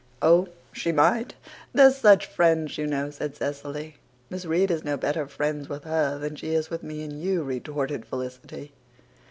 "Oh, she might. They're such friends, you know," said Cecily. "Miss Reade is no better friends with her than she is with me and you," retorted Felicity.